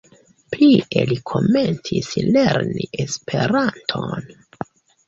Plie li komencis lerni Esperanton.